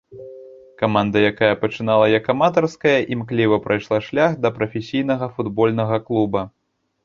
Каманда, якая пачынала як аматарская, імкліва прайшла шлях да прафесійнага футбольнага клуба.